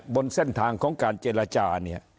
บนเส้นทางของการเจรจา